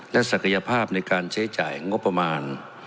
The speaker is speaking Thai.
และศักยภาพในการใช้จ่ายงบประมาณ